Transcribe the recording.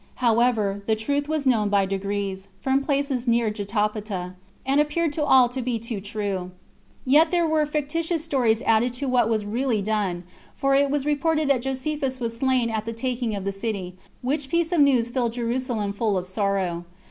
However, the truth was known by degrees, from the places near Jotapata, and appeared to all to be too true. Yet were there fictitious stories added to what was really done; for it was reported that Josephus was slain at the taking of the city, which piece of news filled Jerusalem full of sorrow.